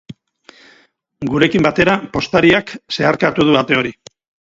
Gurekin batera, postariak zeharkatu du ate hori.